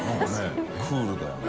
クールだよね。